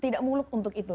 dan kita muluk untuk itu